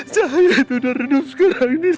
cahaya itu udah redup sekarang ini